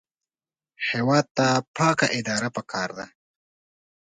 هېواد ته پاکه اداره پکار ده